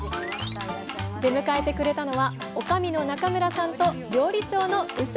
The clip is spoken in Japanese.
出迎えてくれたのは女将の中村さんと料理長の碓井さん。